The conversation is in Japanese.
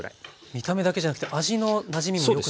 見た目だけじゃなくて味のなじみも良くなるんですか？